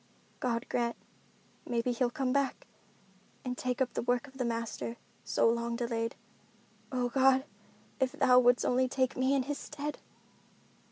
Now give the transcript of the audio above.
"God grant—maybe he'll come back—and take up the work of the Master, so long delayed. Oh God! If Thou wouldst only take me in his stead!"